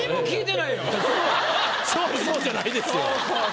「そうそう」じゃないですよ。